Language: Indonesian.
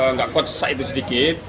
nggak kuat sesak itu sedikit